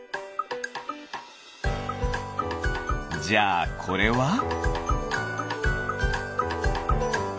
じゃあこれは？